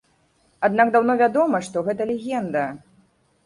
Аднак даўно вядома, што гэта легенда.